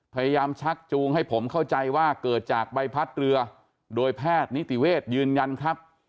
ชักจูงให้ผมเข้าใจว่าเกิดจากใบพัดเรือโดยแพทย์นิติเวทยืนยันครับ